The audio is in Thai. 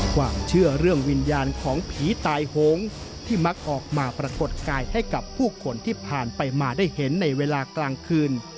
ความเชื่อเรื่องวิญญาณของผีตายโหงที่มักออกมาปรากฏกายให้กับผู้คนที่ผ่านไปมาได้เห็นในเวลากลางคืน